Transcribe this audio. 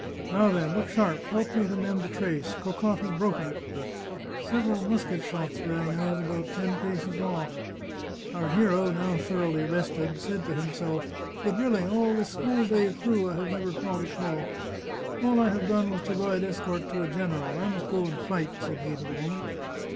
Now then, look sharp! Help me to mend the trace; Cocotte has broken it !" Several musket shots rang out ten paces off. Our hero, now thoroughly rested, said to himself :" But really, all this whole day through I have never fought at all ! All I have 53 The Chartreuse of Parma done was to ride escort to a general. I must go and fight," said he to the woman.